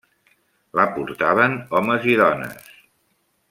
La portaven homes i dones.